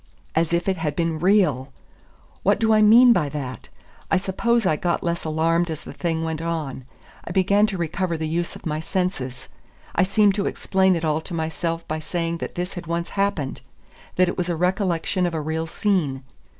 As if it had been real! What do I mean by that? I suppose I got less alarmed as the thing went on. I began to recover the use of my senses, I seemed to explain it all to myself by saying that this had once happened, that it was a recollection of a real scene.